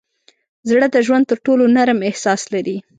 زړه د ژوند تر ټولو نرم احساس لري.